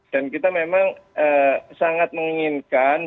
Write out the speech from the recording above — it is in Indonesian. dan kita memang sangat menginginkan